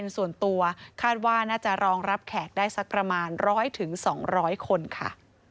ส่วนตัวคาดว่าน่าจะรองรับแขกได้สักประมาณ๑๐๐๒๐๐คนค่ะ